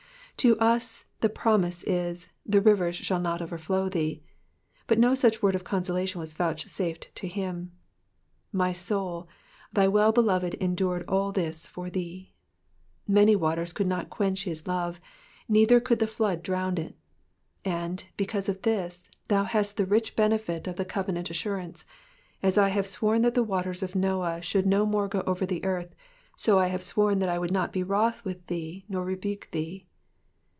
To us the promise is, the rivers shall not overflow thee," but no such word of consolation was vouchsafed to him. My soul, thy Well beloved endured all this for thee. Many waters could not quench his love, neither could the floods drown it ; and, because of this, thou hast the rich benefit of that covenant assurance, as I have sworn that the waters of Noah should no more go over the earth ; so have I sworn that I would not be wroth with thee, nor rebuke thee."